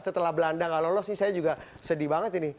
setelah belanda nggak lolos nih saya juga sedih banget ini